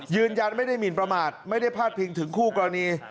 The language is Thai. ยืนยันไม่ได้หมินประมาทไม่ได้พาดพิงถึงคู่กรณี